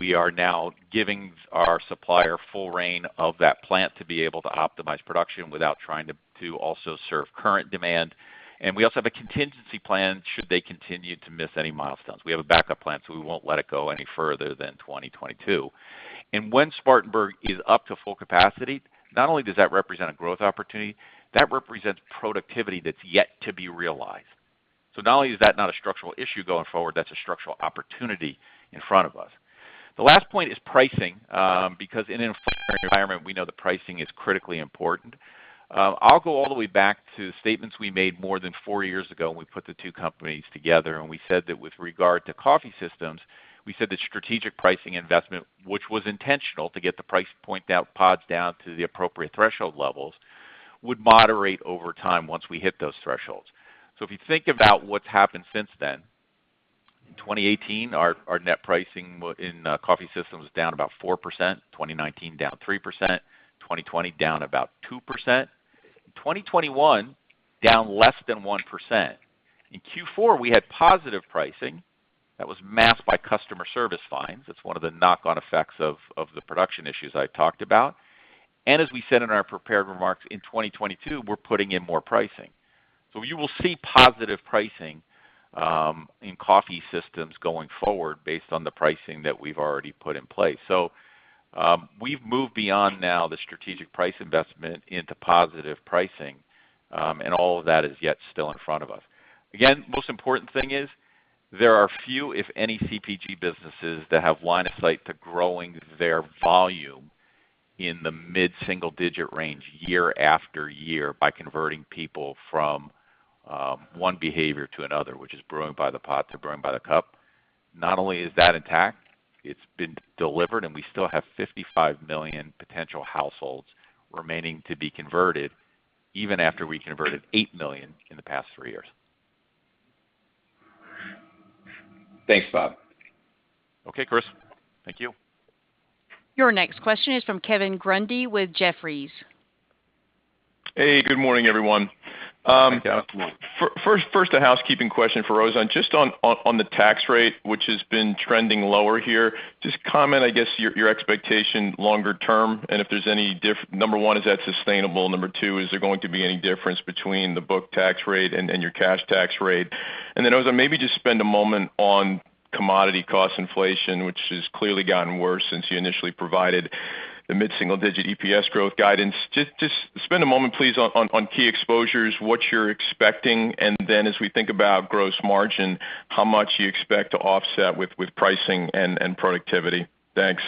We are now giving our supplier full reins of that plant to be able to optimize production without trying to also serve current demand. We also have a contingency plan should they continue to miss any milestones. We have a backup plan, so we won't let it go any further than 2022. When Spartanburg is up to full capacity, not only does that represent a growth opportunity, that represents productivity that's yet to be realized. Not only is that not a structural issue going forward, that's a structural opportunity in front of us. The last point is pricing, because in an inflationary environment, we know the pricing is critically important. I'll go all the way back to statements we made more than four years ago when we put the two companies together and we said that with regard to Coffee Systems, we said that strategic pricing investment, which was intentional to get the price point down, pods down to the appropriate threshold levels, would moderate over time once we hit those thresholds. If you think about what's happened since then, in 2018 our net pricing in Coffee Systems was down about 4%. 2019 down 3%. 2020 down about 2%. 2021 down less than 1%. In Q4 we had positive pricing that was masked by customer service fines. That's one of the knock-on effects of the production issues I talked about. As we said in our prepared remarks, in 2022, we're putting in more pricing. You will see positive pricing in Coffee Systems going forward based on the pricing that we've already put in place. We've moved beyond now the strategic price investment into positive pricing, and all of that is yet still in front of us. Again, most important thing is there are few, if any, CPG businesses that have line of sight to growing their volume in the mid-single digit range year after year by converting people from one behavior to another, which is brewing by the pot to brewing by the cup. Not only is that intact, it's been delivered and we still have 55 million potential households remaining to be converted even after we converted 8 million in the past 3 years. Thanks, Bob. Okay, Chris. Thank you. Your next question is from Kevin Grundy with Jefferies. Hey, good morning, everyone. Good morning. First, a housekeeping question for Ozan. Just on the tax rate, which has been trending lower here. Just comment, I guess, your expectation longer term, and if there's any number one, is that sustainable? Number two, is there going to be any difference between the book tax rate and your cash tax rate? Ozan, maybe just spend a moment on commodity cost inflation, which has clearly gotten worse since you initially provided the mid-single digit EPS growth guidance. Just spend a moment, please, on key exposures, what you're expecting, and then as we think about gross margin, how much you expect to offset with pricing and productivity. Thanks.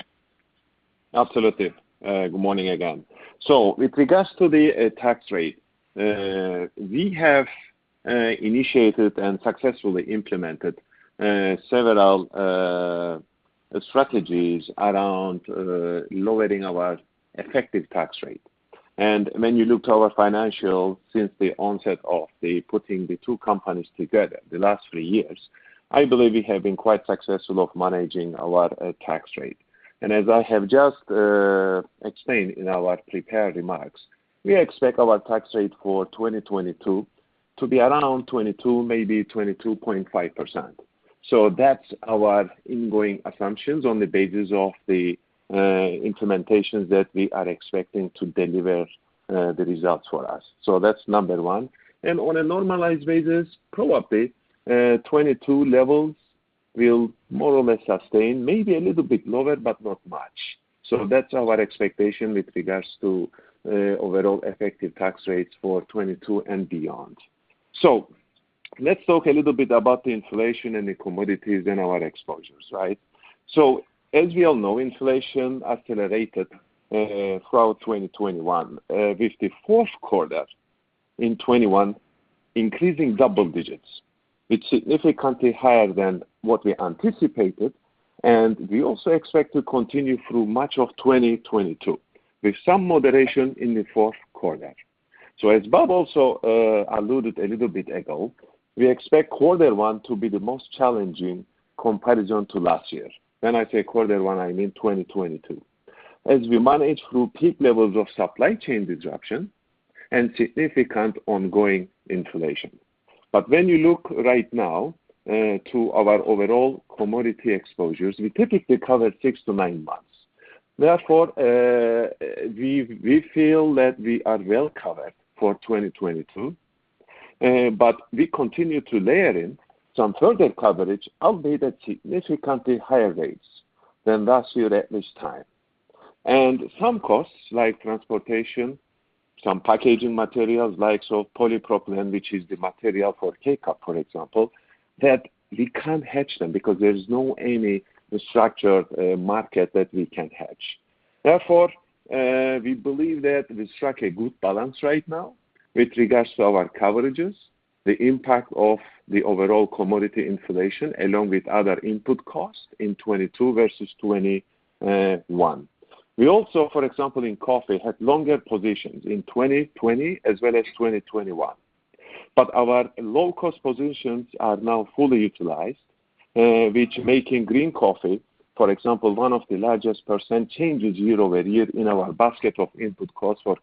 Absolutely. Good morning again. With regards to the tax rate, we have initiated and successfully implemented several strategies around lowering our effective tax rate. When you look to our financials since the onset of putting the two companies together the last three years, I believe we have been quite successful of managing our tax rate. As I have just explained in our prepared remarks, we expect our tax rate for 2022 to be around 22, maybe 22.5%. That's our going-in assumptions on the basis of the implementations that we are expecting to deliver the results for us. That's number one. On a normalized basis, probably 22 levels will more or less sustain, maybe a little bit lower, but not much. That's our expectation with regards to overall effective tax rates for 2022 and beyond. Let's talk a little bit about the inflation and the commodities in our exposures, right? As we all know, inflation accelerated throughout 2021 with the fourth quarter in 2021 increasing double digits. It's significantly higher than what we anticipated, and we also expect to continue through much of 2022, with some moderation in the fourth quarter. As Bob also alluded a little bit ago, we expect quarter one to be the most challenging comparison to last year. When I say quarter one, I mean 2022, as we manage through peak levels of supply chain disruption and significant ongoing inflation. When you look right now to our overall commodity exposures, we typically cover six to nine months. Therefore, we feel that we are well covered for 2022, but we continue to layer in some further coverage albeit at significantly higher rates than last year at this time. Some costs, like transportation. Some packaging materials like so polypropylene, which is the material for K-Cup, for example, that we can't hedge them because there's no any structured market that we can hedge. Therefore, we believe that we struck a good balance right now with regards to our coverages, the impact of the overall commodity inflation along with other input costs in 2022 versus 2021. We also, for example, in coffee, had longer positions in 2020 as well as 2021. Our low-cost positions are now fully utilized, which making green coffee, for example, one of the largest percent changes year-over-year in our basket of input costs for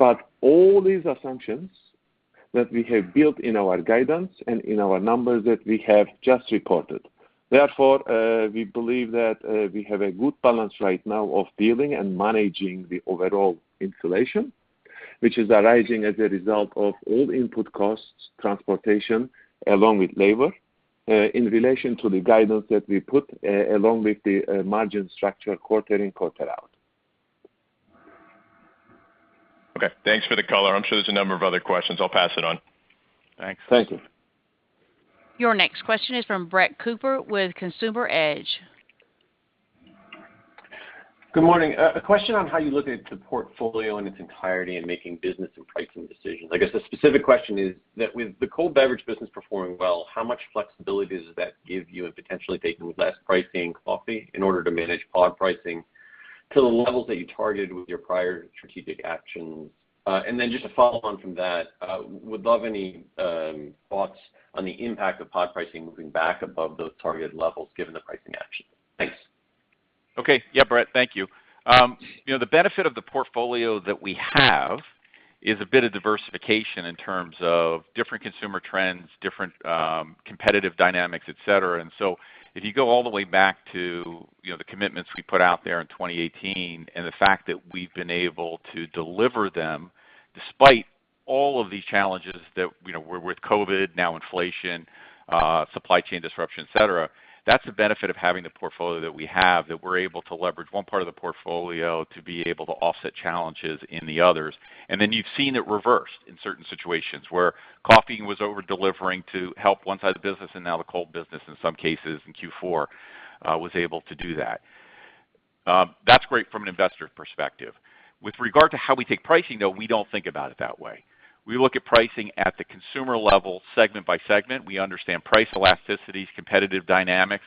KDP. All these assumptions that we have built in our guidance and in our numbers that we have just reported. Therefore, we believe that we have a good balance right now of dealing and managing the overall inflation, which is arising as a result of all input costs, transportation along with labor, in relation to the guidance that we put, along with the margin structure quarter in, quarter out. Okay. Thanks for the color. I'm sure there's a number of other questions. I'll pass it on. Thanks. Thank you. Your next question is from Brett Cooper with Consumer Edge. Good morning. A question on how you look at the portfolio in its entirety and making business and pricing decisions. I guess the specific question is that with the cold beverage business performing well, how much flexibility does that give you in potentially taking less pricing coffee in order to manage pod pricing to the levels that you targeted with your prior strategic actions? And then just to follow on from that, would love any thoughts on the impact of pod pricing moving back above those targeted levels given the pricing action. Thanks. Okay. Yeah, Brett, thank you. You know, the benefit of the portfolio that we have is a bit of diversification in terms of different consumer trends, different competitive dynamics, et cetera. If you go all the way back to, you know, the commitments we put out there in 2018, and the fact that we've been able to deliver them despite all of these challenges that, you know, with COVID, now inflation, supply chain disruption, et cetera, that's the benefit of having the portfolio that we have, that we're able to leverage one part of the portfolio to be able to offset challenges in the others. Then you've seen it reversed in certain situations where coffee was over-delivering to help one side of the business, and now the cold business in some cases in Q4 was able to do that. That's great from an investor perspective. With regard to how we take pricing, though, we don't think about it that way. We look at pricing at the consumer level segment by segment. We understand price elasticities, competitive dynamics.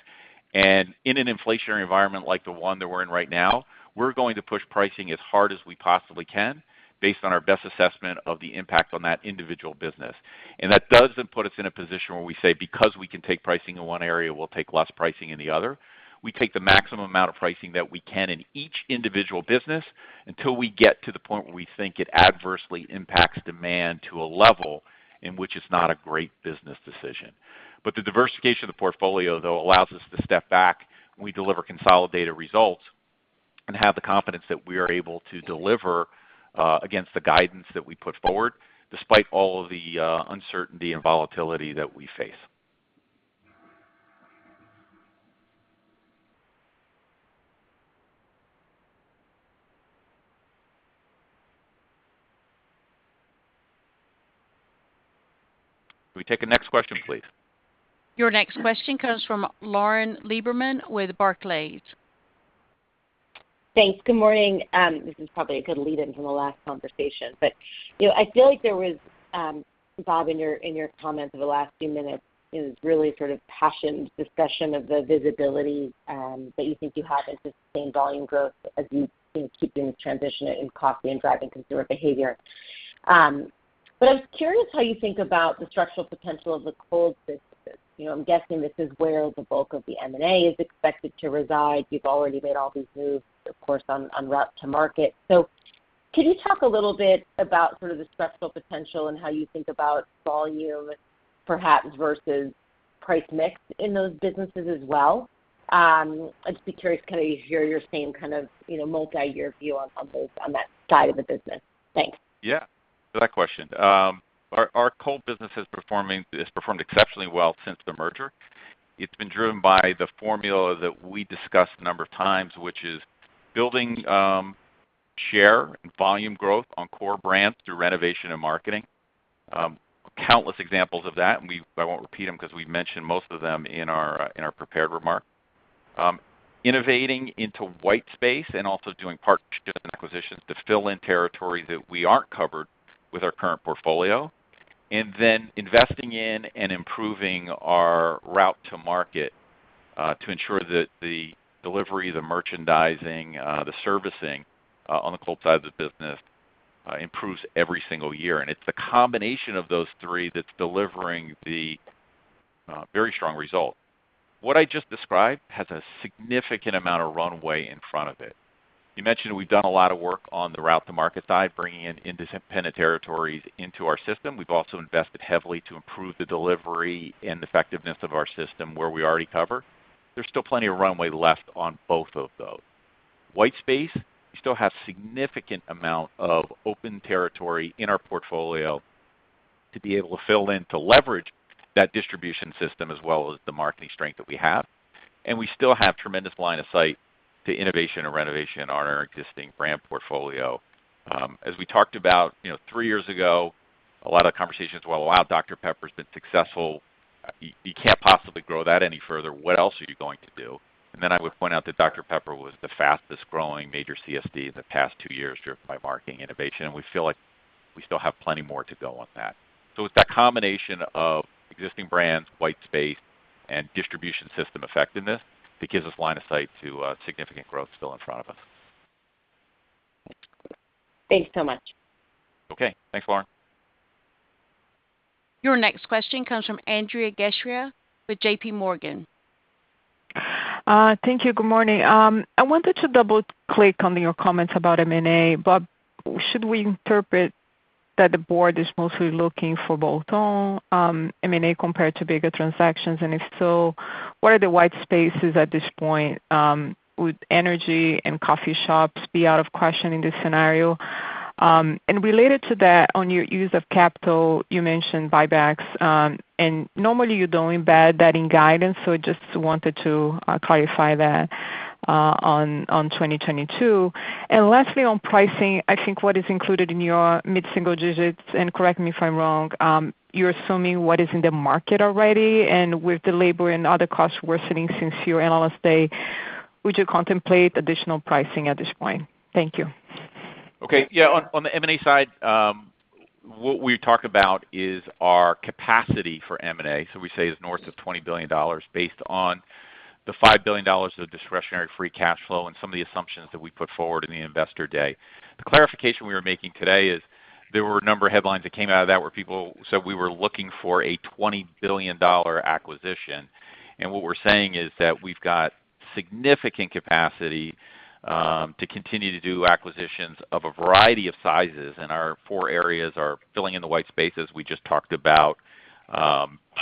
In an inflationary environment like the one that we're in right now, we're going to push pricing as hard as we possibly can based on our best assessment of the impact on that individual business. That doesn't put us in a position where we say, because we can take pricing in one area, we'll take less pricing in the other. We take the maximum amount of pricing that we can in each individual business until we get to the point where we think it adversely impacts demand to a level in which it's not a great business decision. The diversification of the portfolio though allows us to step back when we deliver consolidated results and have the confidence that we are able to deliver against the guidance that we put forward, despite all of the uncertainty and volatility that we face. Can we take the next question, please? Your next question comes from Lauren Lieberman with Barclays. Thanks. Good morning. This is probably a good lead-in from the last conversation. You know, I feel like there was, Bob, in your comments over the last few minutes, it was really sort of passionate discussion of the visibility that you think you have and to sustain volume growth as you keep doing this transition in coffee and driving consumer behavior. I was curious how you think about the structural potential of the cold business. You know, I'm guessing this is where the bulk of the M&A is expected to reside. You've already made all these moves, of course, on route to market. Can you talk a little bit about sort of the structural potential and how you think about volume perhaps versus price mix in those businesses as well? I'd just be curious to kind of hear your same kind of, you know, multi-year view on both on that side of the business. Thanks. Yeah. Good question. Our cold business has performed exceptionally well since the merger. It's been driven by the formula that we discussed a number of times, which is building share and volume growth on core brands through renovation and marketing. Countless examples of that, I won't repeat them because we've mentioned most of them in our prepared remarks. Innovating into white space and also doing partnerships and acquisitions to fill in territory that we aren't covered with our current portfolio, and then investing in and improving our route to market to ensure that the delivery, the merchandising, the servicing on the cold side of the business improves every single year. It's the combination of those three that's delivering the very strong result. What I just described has a significant amount of runway in front of it. You mentioned we've done a lot of work on the route to market side, bringing in independent territories into our system. We've also invested heavily to improve the delivery and effectiveness of our system where we already cover. There's still plenty of runway left on both of those. White space, we still have significant amount of open territory in our portfolio. To be able to fill in to leverage that distribution system as well as the marketing strength that we have. We still have tremendous line of sight to innovation and renovation on our existing brand portfolio. As we talked about, you know, three years ago, a lot of conversations, well, while Dr Pepper has been successful, you can't possibly grow that any further. What else are you going to do? I would point out that Dr Pepper was the fastest-growing major CSD in the past two years, driven by marketing innovation. We feel like we still have plenty more to go on that. It's that combination of existing brands, white space, and distribution system effectiveness that gives us line of sight to significant growth still in front of us. Thanks so much. Okay. Thanks, Lauren. Your next question comes from Andrea Teixeira with JPMorgan. Thank you. Good morning. I wanted to double-click on your comments about M&A. Should we interpret that the board is mostly looking for bolt-on M&A compared to bigger transactions? If so, what are the white spaces at this point? Would energy and coffee shops be out of question in this scenario? Related to that, on your use of capital, you mentioned buybacks. Normally, you don't embed that in guidance, so I just wanted to clarify that on 2022. Lastly, on pricing, I think what is included in your mid-single digits, and correct me if I'm wrong, you're assuming what is in the market already. With the labor and other costs worsening since your Analyst Day, would you contemplate additional pricing at this point? Thank you. Okay. Yeah, on the M&A side, what we talk about is our capacity for M&A. We say it's north of $20 billion based on the $5 billion of discretionary free cash flow and some of the assumptions that we put forward in the Investor Day. The clarification we were making today is there were a number of headlines that came out of that, where people said we were looking for a $20 billion acquisition. What we're saying is that we've got significant capacity to continue to do acquisitions of a variety of sizes. Our four areas are filling in the white spaces we just talked about,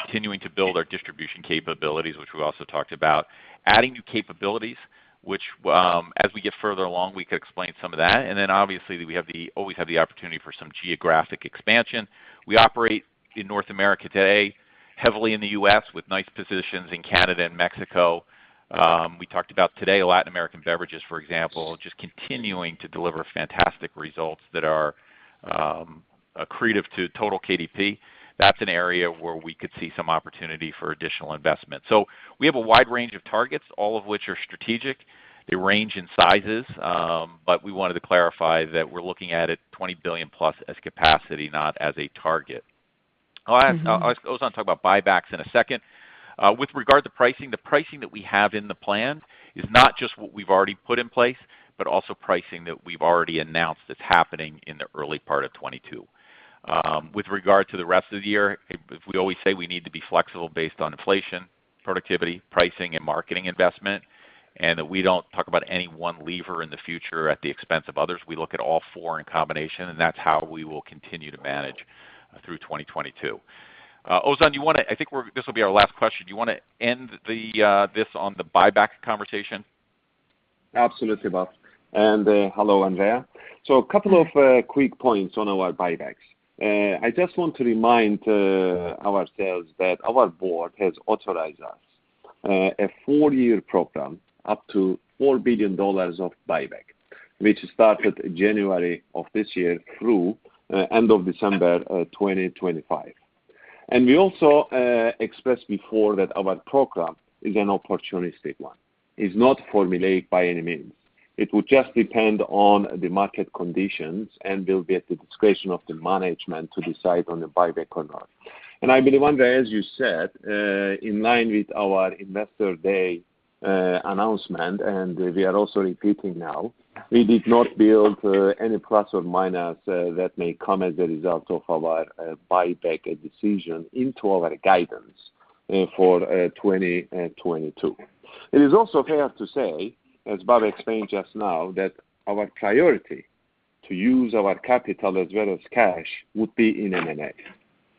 continuing to build our distribution capabilities, which we also talked about. Adding new capabilities, as we get further along, we could explain some of that. Obviously, we always have the opportunity for some geographic expansion. We operate in North America today, heavily in the U.S., with nice positions in Canada and Mexico. We talked about today, Latin American Beverages, for example, just continuing to deliver fantastic results that are accretive to total KDP. That's an area where we could see some opportunity for additional investment. We have a wide range of targets, all of which are strategic. They range in sizes, but we wanted to clarify that we're looking at it 20 billion-plus as capacity, not as a target. Ozan, I'll let Ozan talk about buybacks in a second. With regard to pricing, the pricing that we have in the plan is not just what we've already put in place, but also pricing that we've already announced that's happening in the early part of 2022. With regard to the rest of the year, we always say we need to be flexible based on inflation, productivity, pricing, and marketing investment, and that we don't talk about any one lever in the future at the expense of others. We look at all four in combination, and that's how we will continue to manage through 2022. Ozan, I think this will be our last question. Do you wanna end this on the buyback conversation? Absolutely, Bob. Hello, Andrea. A couple of quick points on our buybacks. I just want to remind ourselves that our board has authorized us a 4-year program up to $4 billion of buyback, which started January of this year through end of December 2025. We also expressed before that our program is an opportunistic one. It's not formulated by any means. It would just depend on the market conditions, and will be at the discretion of the management to decide on the buyback or not. I believe, Andrea, as you said, in line with our Investor Day announcement, and we are also repeating now, we did not build any plus or minus that may come as a result of our buyback decision into our guidance for 2022. It is also fair to say, as Bob explained just now, that our priority to use our capital as well as cash would be in M&A.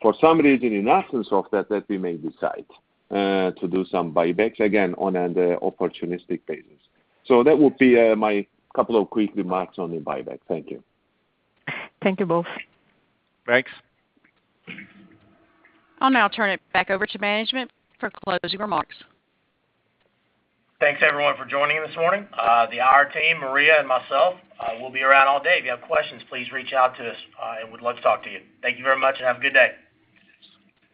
For some reason, in absence of that, we may decide to do some buybacks again on an opportunistic basis. That would be my couple of quick remarks on the buyback. Thank you. Thank you both. Thanks. I'll now turn it back over to management for closing remarks. Thanks everyone for joining this morning. The IR team, Maria, and myself will be around all day. If you have questions, please reach out to us, and we'd love to talk to you. Thank you very much and have a good day.